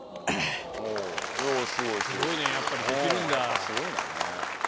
すごいねやっぱりできるんだ。